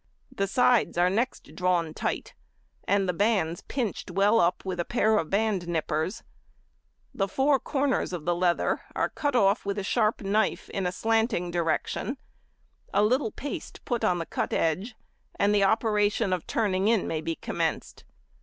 The sides are next drawn tight, and the bands pinched well up with a pair of band nippers. The four corners of the leather |93| are cut off with a sharp knife in a slanting direction, a little paste put on the cut edge, and the operation of turning in may be commenced.